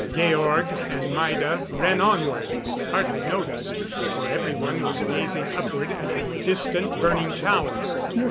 Georg and Maida ran onward, hardly noticed, for everyone was gazing upward at the distant, burning tower.